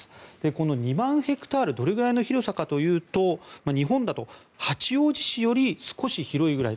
この２万ヘクタールはどれくらいの広さかというと日本だと八王子市より少し広いぐらい。